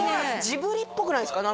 ジブリっぽくないですか？